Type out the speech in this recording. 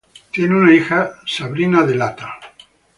Tienen una hija, Sabrina Delata.